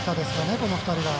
この２人が。